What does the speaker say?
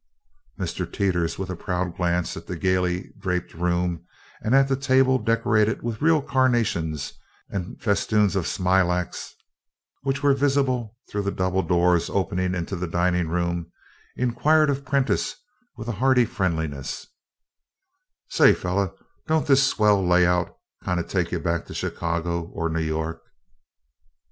Mr. Teeters with a proud glance at the gaily draped room and at the table decorated with real carnations and festoons of smilax, which were visible through the double doors opening into the dining room, inquired of Prentiss with hearty friendliness: "Say, feller, don't this swell lay out kinda take you back to Chicago or New York?"